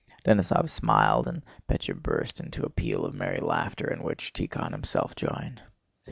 Denísov smiled, and Pétya burst into a peal of merry laughter in which Tíkhon himself joined.